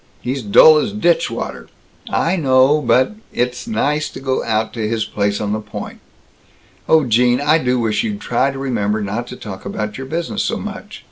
He's dull as ditchwater " "I know, but It is nice to go out to his place on the Point. Oh, Gene, I do wish you'd try and remember not to talk about your business so much.